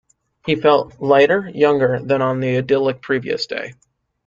He felt lighter, younger, than on the idyllic previous day.